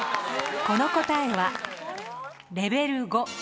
この答えはレベル５。